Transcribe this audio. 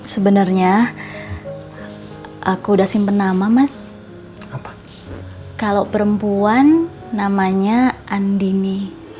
sebenarnya aku udah simpen nama mas kalau perempuan namanya andini